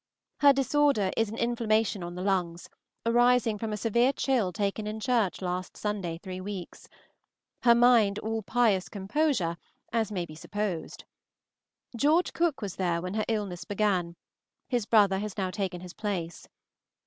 Her disorder is an inflammation on the lungs, arising from a severe chill taken in church last Sunday three weeks; her mind all pious composure, as may be supposed. George Cooke was there when her illness began; his brother has now taken his place.